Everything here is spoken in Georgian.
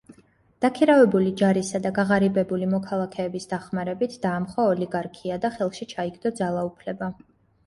დაქირავებული ჯარისა და გაღარიბებული მოქალაქეების დახმარებით დაამხო ოლიგარქია და ხელში ჩაიგდო ძალაუფლება.